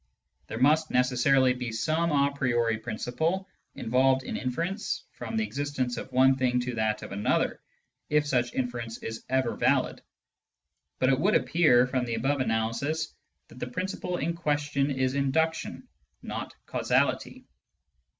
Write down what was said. There must necessarily be some a priori principle involved in inference from the existence of one thing to that of another, if such inference is ever valid ; but it would appear from the above analysis that the principle in question is induction, not causality.